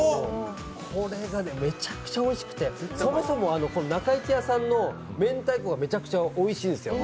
これがね、めちゃくちゃおいしくてそもそもなかいちやさんの明太子がすごくおいしいんですよ。